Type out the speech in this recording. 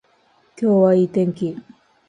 今日はいい天気